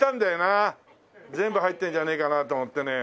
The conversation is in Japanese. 全部入ってんじゃねえかなと思ってね。